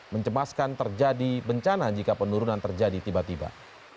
mencemaskan terjadi bencana jika penurunan terjadi tiba tiba